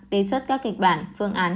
đề xuất các kịch bản phương án